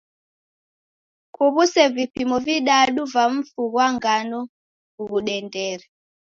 Kuw'use vipimo vidadu va mfu ghwa ngano ghudendere.